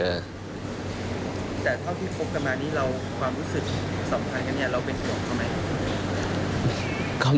แต่เท่าที่คบกันมานี้เราความรู้สึกสำคัญกันเนี่ยเราเป็นห่วงเขาไหม